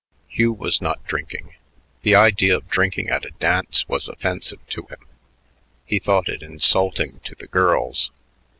Hugh was not drinking. The idea of drinking at a dance was offensive to him; he thought it insulting to the girls.